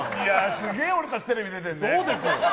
すげえ俺たち、テレビ出てるね。